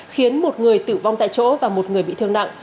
khiến một người tử vong tại chỗ và một người bị thương nặng